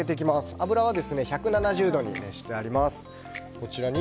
油は１７０度に熱してあります。